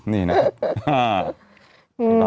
นี่นะครับ